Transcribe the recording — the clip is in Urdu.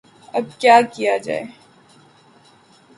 اب کیا کیا جائے؟